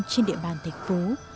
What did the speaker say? trên địa bàn thành phố